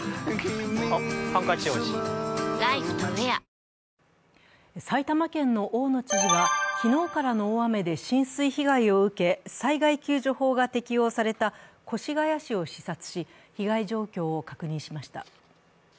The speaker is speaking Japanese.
更に、今シーズン初の１番打者も埼玉県の大野知事が昨日からの大雨で浸水被害を受け、災害救助法が適用された越谷市を視察し、被害状況を確認しました。